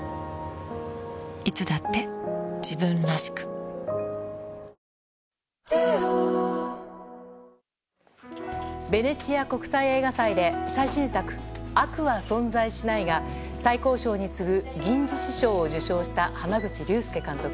ハイクラスカードはダイナースクラブベネチア国際映画祭で、最新作、悪は存在しないが、最高賞に次ぐ銀獅子賞を受賞した濱口竜介監督。